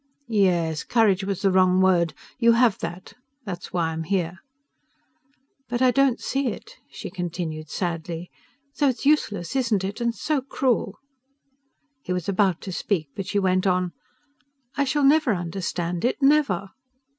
"Yes: courage was the wrong word. You have that. That's why I'm here." "But I don't see it," she continued sadly. "So it's useless, isn't it? and so cruel..." He was about to speak, but she went on: "I shall never understand it never!"